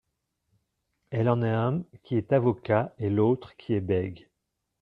… elle en a un qui est avocat et l'autre qui est bègue …